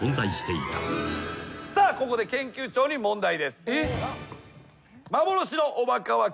さあここで研究長に問題です。えっ！？